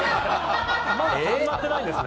まだ始まってないんですね。